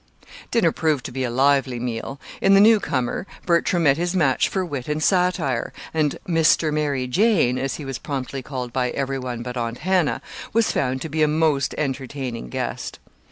Dinner proved to be a lively meal. In the newcomer, Bertram met his match for wit and satire; and "Mr. Mary Jane," as he was promptly called by every one but Aunt Hannah, was found to be a most entertaining guest.